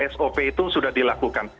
sop itu sudah dilakukan